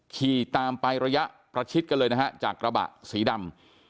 ขี่ตามไประยะประชิดกันเลยนะฮะจากกระบะสีดำ